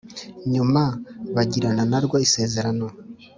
hanyuma bagirana na rwo isezerano,